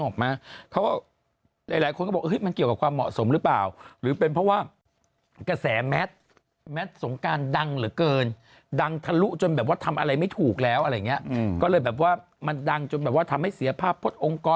ก็เลยแบบว่ามันดังจนแบบว่าทำให้เสียภาพพลตองกร